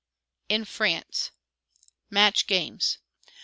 IN FRANCE. MATCH GAMES.